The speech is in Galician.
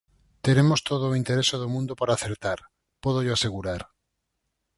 Teremos todo o interese do mundo por acertar, pódollo asegurar.